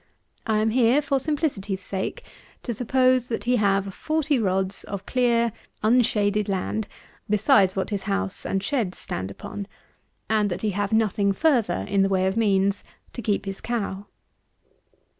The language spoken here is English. I am here, for simplicity's sake, to suppose, that he have 40 rods of clear, unshaded land, besides what his house and sheds stand upon; and that he have nothing further in the way of means to keep his cow.